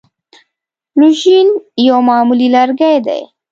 لوژینګ یو معمولي لرګی دی.